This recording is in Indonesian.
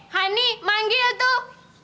hani manggil tuh